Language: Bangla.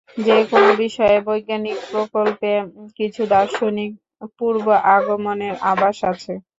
যে কোন বিষয়ে বৈজ্ঞানিক প্রকল্পে কিছু দার্শনিক পূর্ব আগমনের আভাস থাকে।